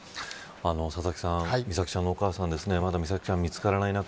佐々木さん、美咲ちゃんのお母さま、まだ美咲ちゃんが見つからない中